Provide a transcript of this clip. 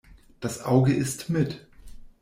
Das Auge isst mit.